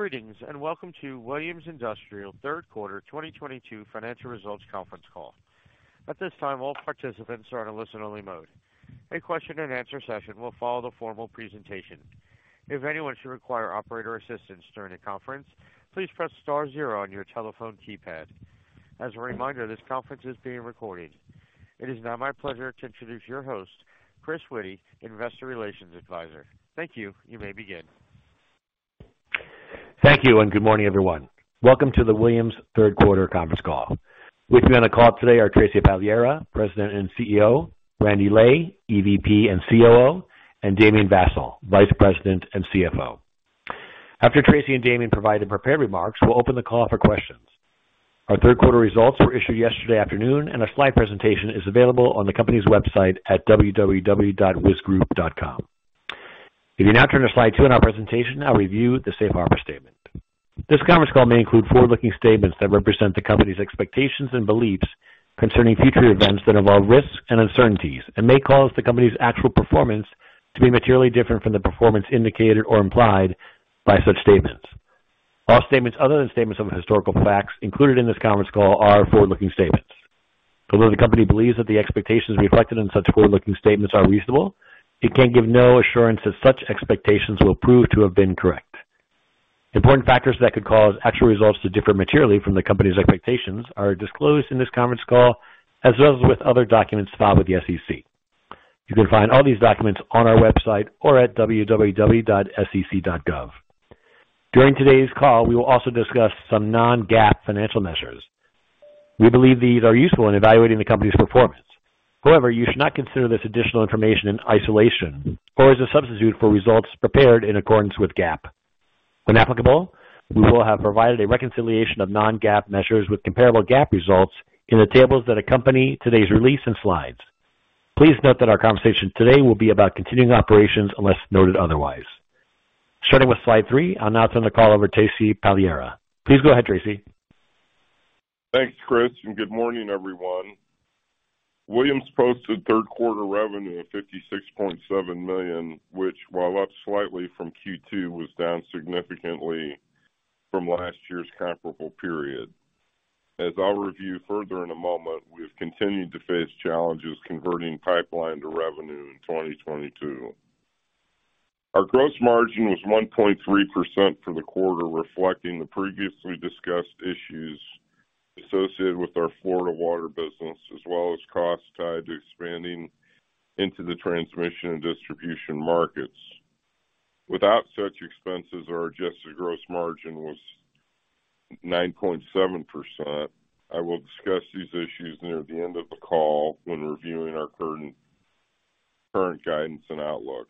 Greetings, and welcome to Williams Industrial third quarter 2022 financial results conference call. At this time, all participants are in listen only mode. A question and answer session will follow the formal presentation. If anyone should require operator assistance during the conference, please press star zero on your telephone keypad. As a reminder, this conference is being recorded. It is now my pleasure to introduce your host, Chris Witty, Investor Relations Advisor. Thank you. You may begin. Thank you, and good morning, everyone. Welcome to the Williams third quarter conference call. With me on the call today are Tracy Pagliara, President and CEO, Randy Lay, EVP and COO, and Damien Vassall, Vice President and CFO. After Tracy and Damien provide their prepared remarks, we'll open the call for questions. Our third quarter results were issued yesterday afternoon and a slide presentation is available on the company's website at www.wisgrp.com. If you now turn to slide two in our presentation, I'll review the safe harbor statement. This conference call may include forward-looking statements that represent the company's expectations and beliefs concerning future events that involve risks and uncertainties and may cause the company's actual performance to be materially different from the performance indicated or implied by such statements. All statements other than statements of historical facts included in this conference call are forward-looking statements. Although the company believes that the expectations reflected in such forward-looking statements are reasonable, it can give no assurance that such expectations will prove to have been correct. Important factors that could cause actual results to differ materially from the company's expectations are disclosed in this conference call, as well as with other documents filed with the SEC. You can find all these documents on our website or at www.sec.gov. During today's call, we will also discuss some non-GAAP financial measures. We believe these are useful in evaluating the company's performance. However, you should not consider this additional information in isolation or as a substitute for results prepared in accordance with GAAP. When applicable, we will have provided a reconciliation of non-GAAP measures with comparable GAAP results in the tables that accompany today's release and slides. Please note that our conversation today will be about continuing operations unless noted otherwise. Starting with slide three, I'll now turn the call over to Tracy Pagliara. Please go ahead, Tracy. Thanks, Chris, and good morning, everyone. Williams posted third quarter revenue of $56.7 million, which, while up slightly from Q2, was down significantly from last year's comparable period. As I'll review further in a moment, we have continued to face challenges converting pipeline to revenue in 2022. Our gross margin was 1.3% for the quarter, reflecting the previously discussed issues associated with our Florida water business, as well as costs tied to expanding into the transmission and distribution markets. Without such expenses, our adjusted gross margin was 9.7%. I will discuss these issues near the end of the call when reviewing our current guidance and outlook.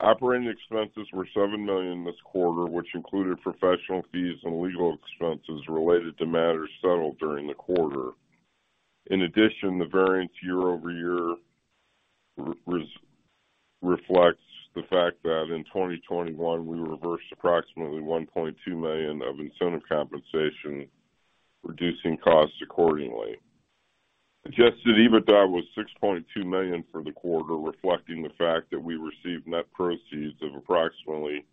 Operating expenses were $7 million this quarter, which included professional fees and legal expenses related to matters settled during the quarter. In addition, the variance year-over-year reflects the fact that in 2021 we reversed approximately $1.2 million of incentive compensation, reducing costs accordingly. Adjusted EBITDA was $6.2 million for the quarter, reflecting the fact that we received net proceeds of approximately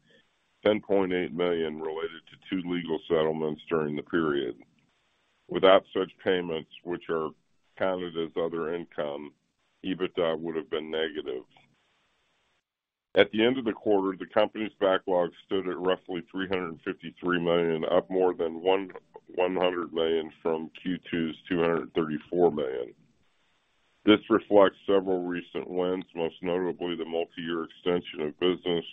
$10.8 million related to two legal settlements during the period. Without such payments, which are counted as other income, EBITDA would have been negative. At the end of the quarter, the company's backlog stood at roughly $353 million, up more than $100 million from Q2's $234 million. This reflects several recent wins, most notably the multiyear extension of business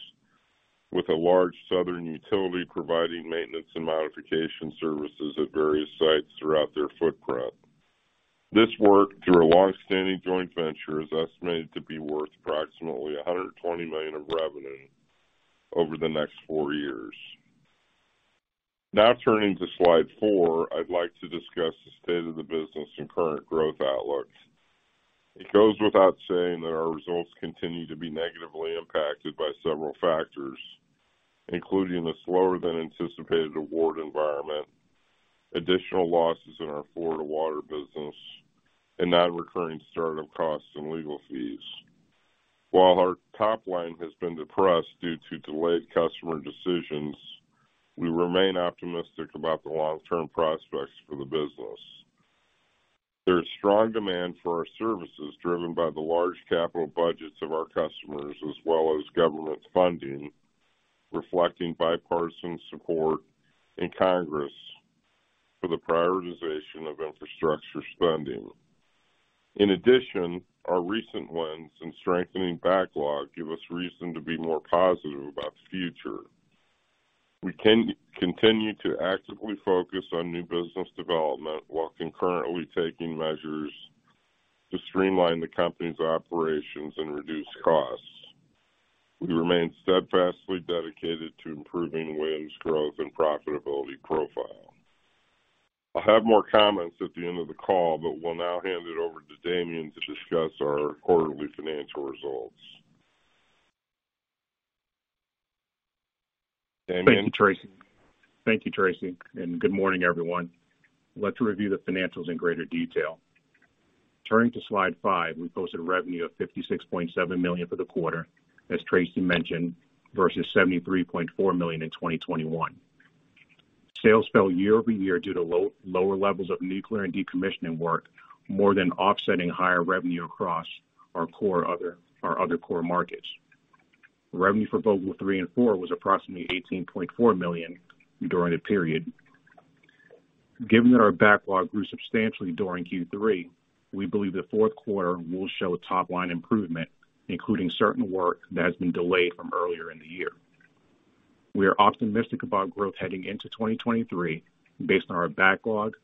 with a large southern utility providing maintenance and modification services at various sites throughout their footprint. This work, through a long-standing joint venture, is estimated to be worth approximately $120 million of revenue over the next four years. Now turning to slide four, I'd like to discuss the state of the business and current growth outlook. It goes without saying that our results continue to be negatively impacted by several factors, including a slower than anticipated award environment, additional losses in our Florida water business, and non-recurring startup costs and legal fees. While our top line has been depressed due to delayed customer decisions, we remain optimistic about the long-term prospects for the business. There is strong demand for our services, driven by the large capital budgets of our customers as well as government funding, reflecting bipartisan support in Congress for the prioritization of infrastructure spending. In addition, our recent wins and strengthening backlog give us reason to be more positive about the future. We continue to actively focus on new business development while concurrently taking measures to streamline the company's operations and reduce costs. We remain steadfastly dedicated to improving Williams' growth and profitability profile. I'll have more comments at the end of the call, but we'll now hand it over to Damien to discuss our quarterly financial results. Damien? Thank you, Tracy. Thank you, Tracy, and good morning, everyone. Let's review the financials in greater detail. Turning to slide five, we posted revenue of $56.7 million for the quarter, as Tracy mentioned, versus $73.4 million in 2021. Sales fell year-over-year due to lower levels of nuclear and decommissioning work, more than offsetting higher revenue across our other core markets. Revenue for Vogtle 3 and 4 was approximately $18.4 million during the period. Given that our backlog grew substantially during Q3, we believe the fourth quarter will show top line improvement, including certain work that has been delayed from earlier in the year. We are optimistic about growth heading into 2023 based on our backlog,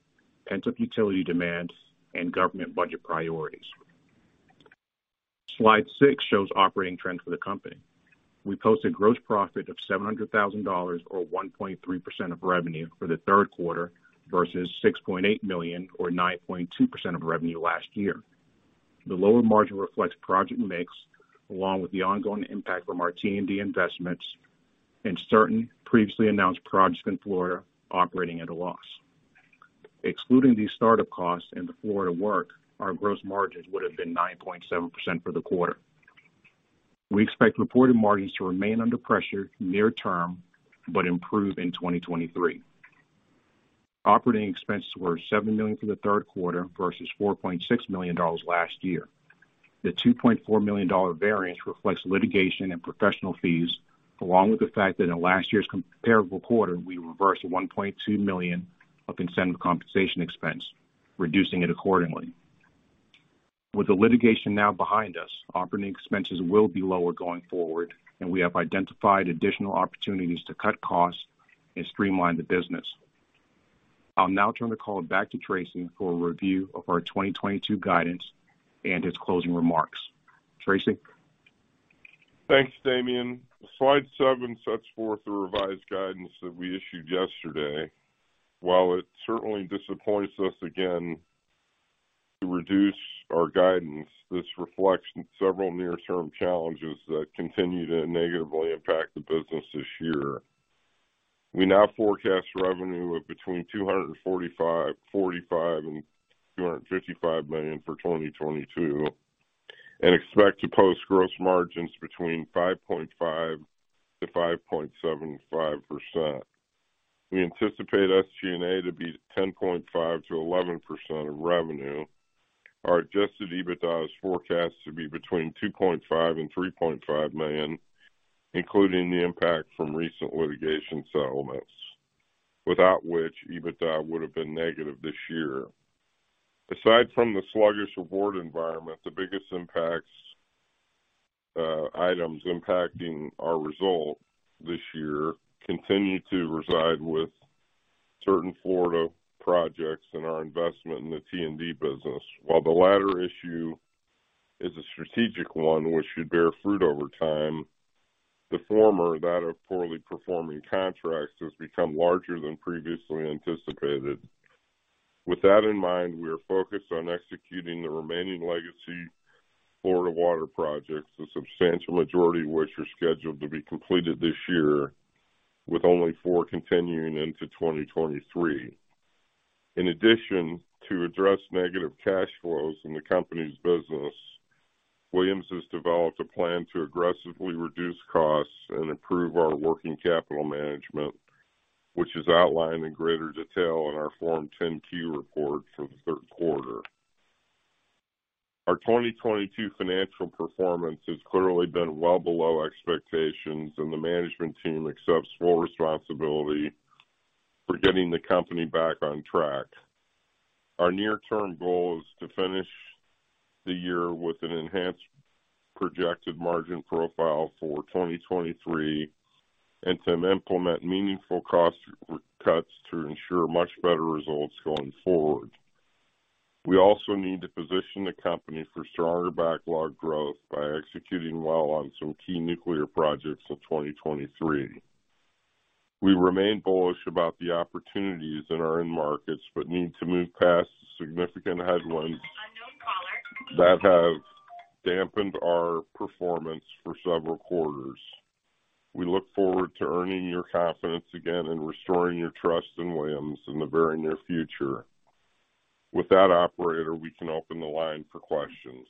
pent-up utility demands, and government budget priorities. Slide six shows operating trends for the company. We posted gross profit of $700,000, or 1.3% of revenue for the third quarter, versus $6.8 million or 9.2% of revenue last year. The lower margin reflects project mix, along with the ongoing impact from our T&D investments and certain previously announced projects in Florida operating at a loss. Excluding these startup costs and the Florida work, our gross margins would have been 9.7% for the quarter. We expect reported margins to remain under pressure near-term, but improve in 2023. Operating expenses were $7 million for the third quarter versus $4.6 million dollars last year. The $2.4 million dollar variance reflects litigation and professional fees, along with the fact that in last year's comparable quarter, we reversed $1.2 million of incentive compensation expense, reducing it accordingly. With the litigation now behind us, operating expenses will be lower going forward, and we have identified additional opportunities to cut costs and streamline the business. I'll now turn the call back to Tracy for a review of our 2022 guidance and his closing remarks. Tracy? Thanks, Damien. Slide seven sets forth the revised guidance that we issued yesterday. While it certainly disappoints us again to reduce our guidance, this reflects several near-term challenges that continue to negatively impact the business this year. We now forecast revenue of between $245 million and $255 million for 2022, and expect to post gross margins between 5.5%-5.75%. We anticipate SG&A to be 10.5%-11% of revenue. Our adjusted EBITDA is forecast to be between $2.5 million and $3.5 million, including the impact from recent litigation settlements, without which EBITDA would have been negative this year. Aside from the sluggish revenue environment, the biggest impacts, items impacting our result this year continue to reside with certain Florida projects and our investment in the T&D business. While the latter issue is a strategic one which should bear fruit over time, the former, that of poorly performing contracts, has become larger than previously anticipated. With that in mind, we are focused on executing the remaining legacy Florida water projects, the substantial majority of which are scheduled to be completed this year, with only four continuing into 2023. In addition, to address negative cash flows in the company's business, Williams has developed a plan to aggressively reduce costs and improve our working capital management, which is outlined in greater detail in our Form 10-Q report for the third quarter. Our 2022 financial performance has clearly been well below expectations, and the management team accepts full responsibility for getting the company back on track. Our near-term goal is to finish the year with an enhanced projected margin profile for 2023 and to implement meaningful cost cuts to ensure much better results going forward. We also need to position the company for stronger backlog growth by executing well on some key nuclear projects in 2023. We remain bullish about the opportunities in our end markets but need to move past the significant headwinds. That have dampened our performance for several quarters. We look forward to earning your confidence again and restoring your trust in Williams in the very near future. With that, operator, we can open the line for questions.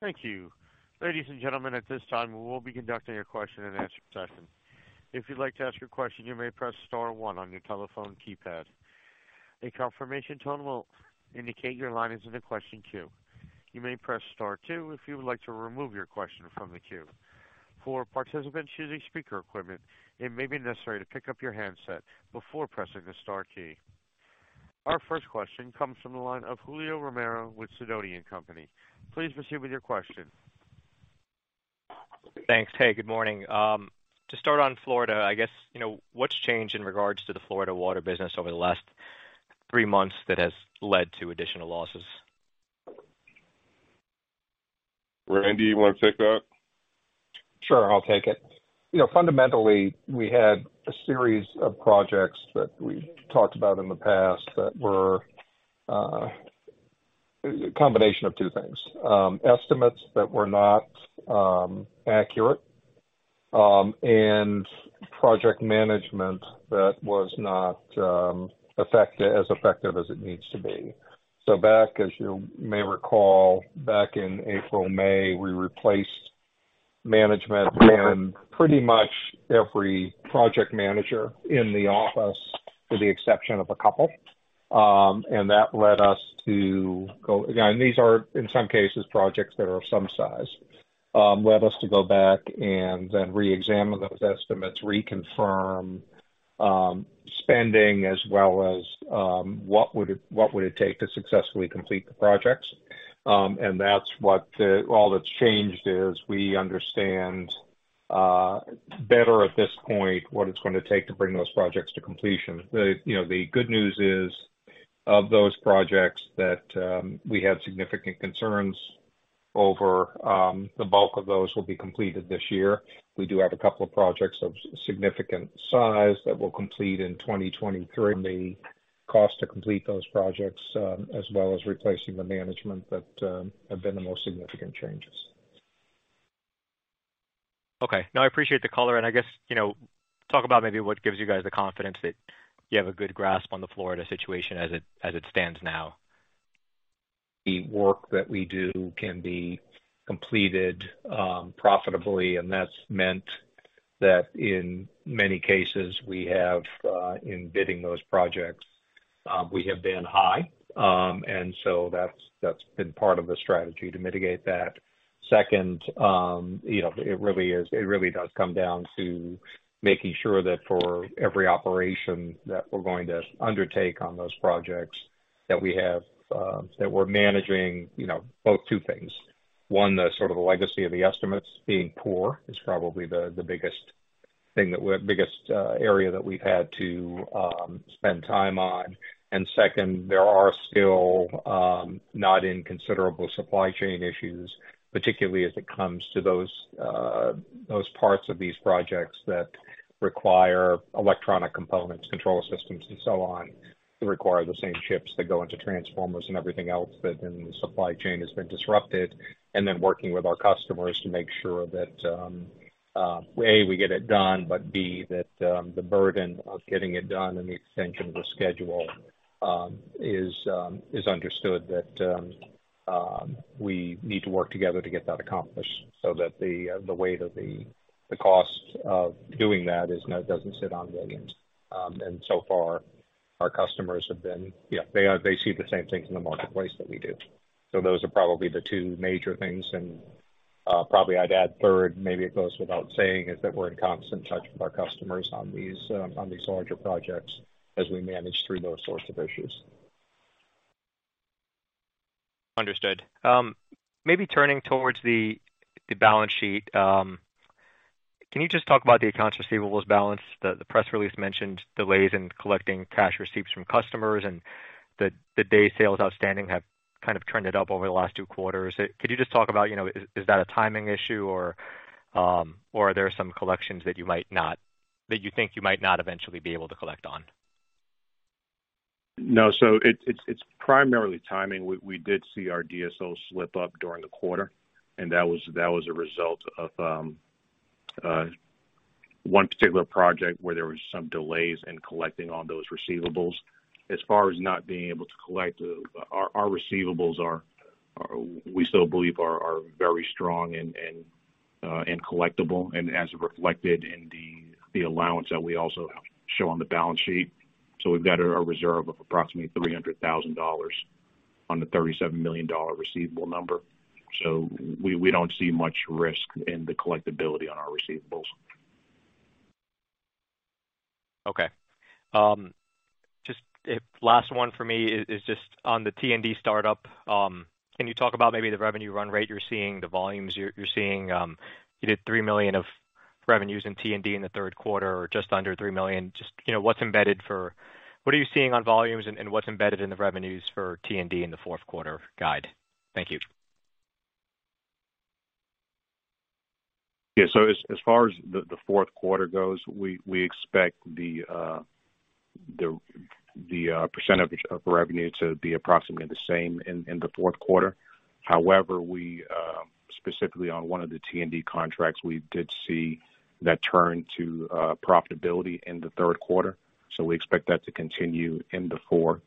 Thank you. Ladies and gentlemen, at this time, we will be conducting a question and answer session. If you'd like to ask a question, you may press star one on your telephone keypad. A confirmation tone will indicate your line is in the question queue. You may press star two if you would like to remove your question from the queue. For participants using speaker equipment, it may be necessary to pick up your handset before pressing the star key. Our first question comes from the line of Julio Romero with Sidoti & Company. Please proceed with your question. Thanks. Hey, good morning. To start on Florida, I guess, you know, what's changed in regards to the Florida water business over the last three months that has led to additional losses? Randy, you wanna take that? Sure, I'll take it. You know, fundamentally, we had a series of projects that we talked about in the past that were a combination of two things. Estimates that were not accurate, and project management that was not as effective as it needs to be. As you may recall, back in April/May, we replaced management and pretty much every project manager in the office, with the exception of a couple. Again, these are, in some cases, projects that are of some size. That led us to go back and then reexamine those estimates, reconfirm spending as well as what it would take to successfully complete the projects. That's what all that's changed is we understand better at this point what it's going to take to bring those projects to completion. You know, the good news is, of those projects that we had significant concerns over, the bulk of those will be completed this year. We do have a couple of projects of significant size that we'll complete in 2023. The cost to complete those projects, as well as replacing the management that have been the most significant changes. Okay. No, I appreciate the color. I guess, you know, talk about maybe what gives you guys the confidence that you have a good grasp on the Florida situation as it stands now. The work that we do can be completed profitably, and that's meant that in many cases we have, in bidding those projects, we have been high. That's been part of the strategy to mitigate that. Second, you know, it really does come down to making sure that for every operation that we're going to undertake on those projects that we have, that we're managing, you know, both two things. One, the sort of legacy of the estimates being poor is probably the biggest area that we've had to spend time on. Second, there are still not inconsiderable supply chain issues, particularly as it comes to those parts of these projects that require electronic components, control systems and so on, that require the same chips that go into transformers and everything else that the supply chain has been disrupted. Then working with our customers to make sure that A, we get it done, but B, that the burden of getting it done and the extension of the schedule is understood that we need to work together to get that accomplished so that the weight of the cost of doing that doesn't sit on Williams. So far our customers have been. Yeah, they see the same things in the marketplace that we do. Those are probably the two major things. Probably I'd add third, maybe it goes without saying, is that we're in constant touch with our customers on these larger projects as we manage through those sorts of issues. Understood. Maybe turning towards the balance sheet. Can you just talk about the accounts receivable balance? The press release mentioned delays in collecting cash receipts from customers and the day sales outstanding have kind of trended up over the last two quarters. Could you just talk about, you know, is that a timing issue or are there some collections that you think you might not eventually be able to collect on? No. It's primarily timing. We did see our DSO slip up during the quarter, and that was a result of one particular project where there was some delays in collecting on those receivables. As far as not being able to collect, our receivables are very strong and collectible, and as reflected in the allowance that we also show on the balance sheet. We've got a reserve of approximately $300,000 on the $37 million receivable number. We don't see much risk in the collectibility on our receivables. Okay. Just a last one for me is just on the T&D startup. Can you talk about maybe the revenue run rate you're seeing, the volumes you're seeing? You did $3 million of revenues in T&D in the third quarter or just under $3 million. Just, you know, what are you seeing on volumes and what's embedded in the revenues for T&D in the fourth quarter guide? Thank you. Yeah. As far as the fourth quarter goes, we expect the percentage of revenue to be approximately the same in the fourth quarter. However, we specifically on one of the T&D contracts, we did see that turn to profitability in the third quarter. We expect that to continue in the fourth.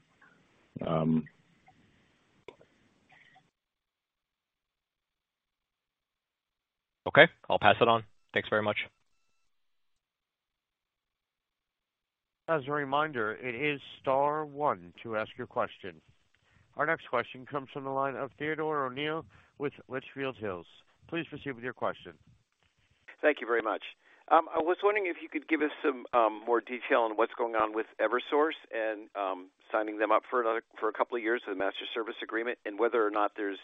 Okay. I'll pass it on. Thanks very much. As a reminder, it is star one to ask your question. Our next question comes from the line of Theodore O'Neill with Litchfield Hills. Please proceed with your question. Thank you very much. I was wondering if you could give us some more detail on what's going on with Eversource and signing them up for a couple of years, the master service agreement, and whether or not there's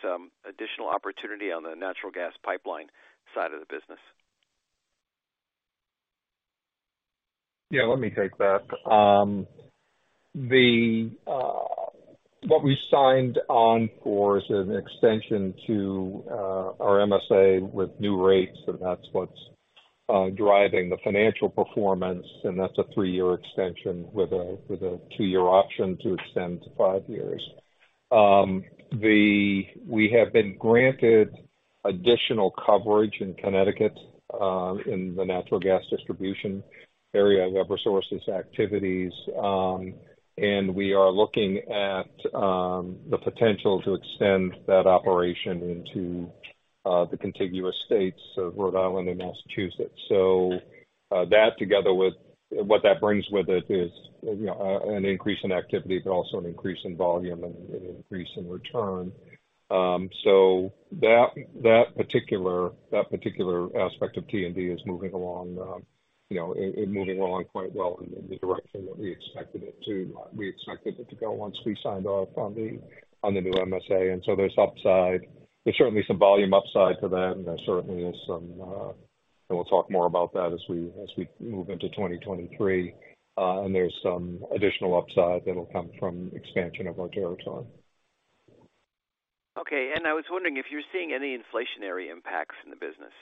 additional opportunity on the natural gas pipeline side of the business. Yeah, let me take that. What we signed on for is an extension to our MSA with new rates, and that's what's driving the financial performance. That's a three-year extension with a two-year option to extend to five years. We have been granted additional coverage in Connecticut in the natural gas distribution area of Eversource activities. We are looking at the potential to extend that operation into the contiguous states of Rhode Island and Massachusetts. That together with what that brings with it is, you know, an increase in activity, but also an increase in volume and an increase in return. That particular aspect of T&D is moving along, you know, it moving along quite well in the direction that we expected it to. We expected it to go once we signed off on the new MSA. There's upside. There's certainly some volume upside to that, and there certainly is some. We'll talk more about that as we move into 2023. There's some additional upside that'll come from expansion of our territory. Okay. I was wondering if you're seeing any inflationary impacts in the business?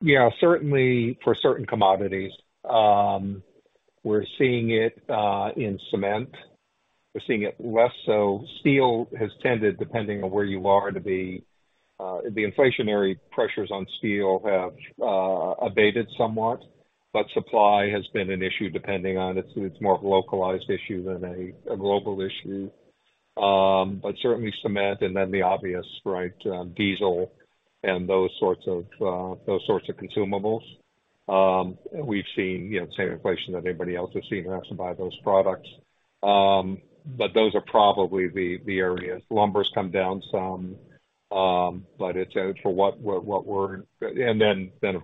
Yeah, certainly for certain commodities. We're seeing it in cement. We're seeing it less so. Steel has tended, depending on where you are to be, the inflationary pressures on steel have abated somewhat, but supply has been an issue, depending on, it's more of a localized issue than a global issue. Certainly cement and then the obvious, right, diesel and those sorts of consumables. We've seen, you know, the same inflation that anybody else has seen who has to buy those products. Those are probably the areas. Lumber's come down some. Of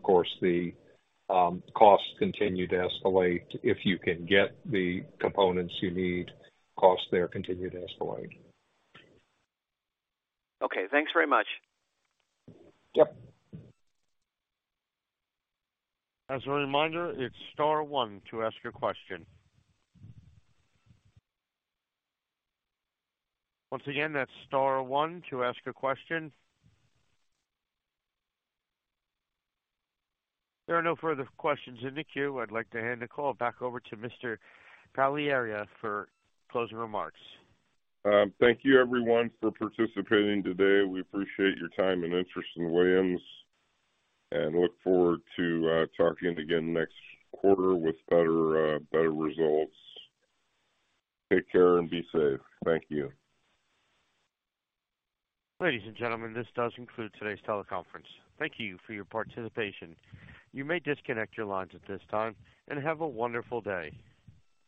course the costs continue to escalate. If you can get the components you need, costs there continue to escalate. Okay, thanks very much. Yep. As a reminder, it's star one to ask your question. Once again, that's star one to ask a question. There are no further questions in the queue. I'd like to hand the call back over to Mr. Pagliara for closing remarks. Thank you everyone for participating today. We appreciate your time and interest in Williams and look forward to talking again next quarter with better results. Take care and be safe. Thank you. Ladies and gentlemen, this does conclude today's teleconference. Thank you for your participation. You may disconnect your lines at this time, and have a wonderful day.